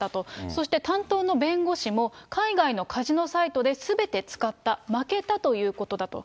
そして担当の弁護士も、海外のカジノサイトですべて使った、負けたということだと。